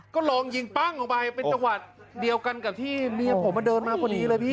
ก็ลองยิงปั้งออกไปเป็นจังหวัดเดียวกันกับที่เมียผมมาเดินมาพอดีเลยพี่